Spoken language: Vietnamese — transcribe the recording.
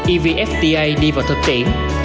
evfta đi vào thực tiễn